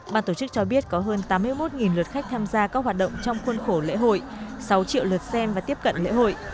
ban tổ chức cho biết có hơn tám mươi một lượt khách tham gia các hoạt động trong khuôn khổ lễ hội sáu triệu lượt xem và tiếp cận lễ hội